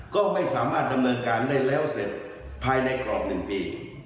ก็ไม่สามารถดำเนินการได้แล้วเสร็จภายในกรอบ๑ปี